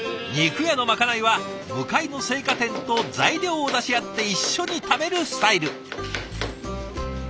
肉屋のまかないは向かいの青果店と材料を出し合って一緒に食べるスタイル。